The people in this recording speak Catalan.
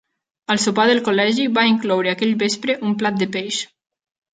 El sopar del col·legi va incloure aquell vespre un plat de peix.